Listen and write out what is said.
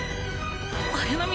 綾波！